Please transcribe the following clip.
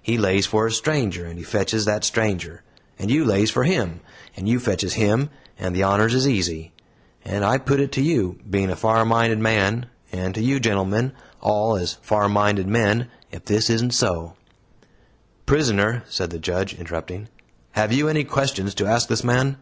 He lays for a stranger, and he fetches that stranger. And you lays for HIM, and you fetches HIM; and the honors is easy. And I put it to you, bein' a far minded man, and to you, gentlemen, all, as far minded men, ef this isn't so." "Prisoner," said the Judge, interrupting, "have you any questions to ask this man?"